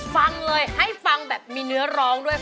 ฟังเลยให้ฟังแบบมีเนื้อร้องด้วย